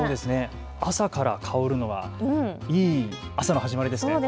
朝から香るのはいい朝の始まりですね。